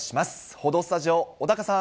報道スタジオ、小高さん。